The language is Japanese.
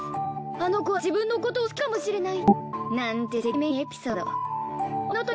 あの子は自分のことを好きかもしれないなんて赤面エピソード。